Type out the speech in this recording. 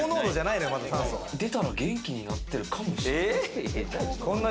でたら元気になってるかもしれない。